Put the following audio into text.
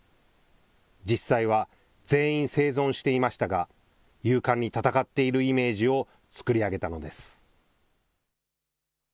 実際は全員生存していましたが勇敢に戦っているイメージを作り上げたのです。